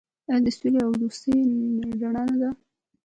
آیا د سولې او دوستۍ رڼا نه ده؟